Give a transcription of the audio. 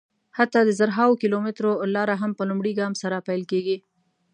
حتی د زرهاوو کیلومترو لاره هم په لومړي ګام سره پیل کېږي.